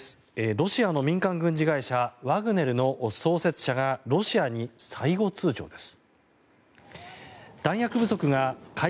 ロシアの民間軍事会社ワグネルの創設者がロシアに最後通ちょうです。